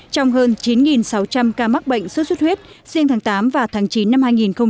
trong hơn chín sáu trăm linh ca mắc bệnh sốt xuất huyết riêng tháng tám và tháng chín năm hai nghìn hai mươi ba